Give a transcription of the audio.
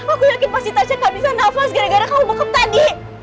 aku yakin pasti gak bisa nafas gara gara kamu bekak tadi